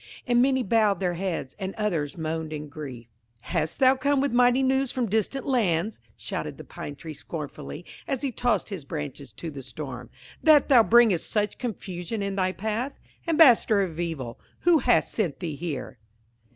And many bowed their heads, and others moaned in grief. "Hast thou come with mighty news from distant lands," shouted the Pine tree scornfully, as he tossed his branches to the storm, "that thou bringest such confusion in thy path? Ambassador of evil, who hast sent thee here?"